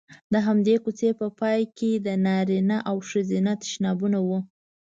د همدې کوڅې په پای کې د نارینه او ښځینه تشنابونه وو.